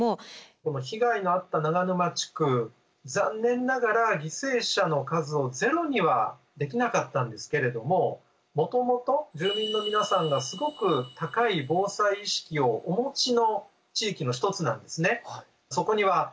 この被害のあった長沼地区残念ながら犠牲者の数をゼロにはできなかったんですけれどももともと住民の皆さんがすごく高い防災意識をお持ちの地域の一つなんですね。